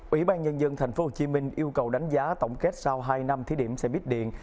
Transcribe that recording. ủy ban nhân dân tp hcm yêu cầu đánh giá tổng kết sau hai năm thí điểm xe bít điện